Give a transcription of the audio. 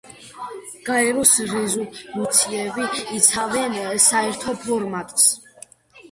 გაეროს რეზოლუციები იცავენ საერთო ფორმატს.